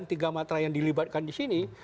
tiga matra yang dilibatkan di sini